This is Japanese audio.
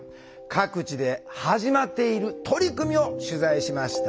各地で始まっている取り組みを取材しました。